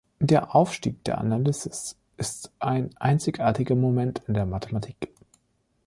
Der Aufstieg der Analysis ist ein einzigartiger Moment in der Mathematik.